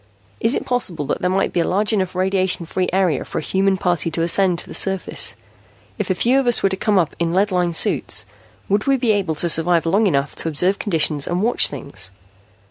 Is it possible that there might be a large enough radiation free area for a human party to ascend to the surface? If a few of us were to come up in lead lined suits, would we be able to survive long enough to observe conditions and watch things?"